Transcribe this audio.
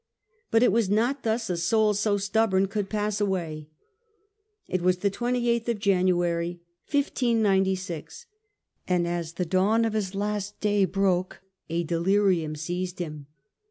But it was not thus a soul so stubborn could pass away. It was the 28th of January 1596, and as the dawn of his last day broke a delirium seized him.